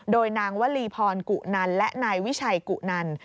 โดยนางวลีพรกุนันและนายวิชัยกุนัน